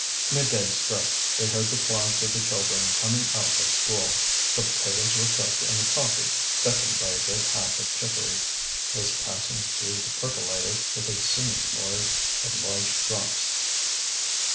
Midday struck; they heard the clogs of the children coming out of school. The potatoes were cooked, and the coffee, thickened by a good half of chicory, was passing through the percolator with a singing noise of large drops.